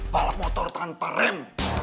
balap motor tanpa rem